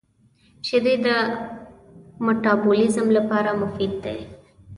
• شیدې د مټابولیزم لپاره مفید دي.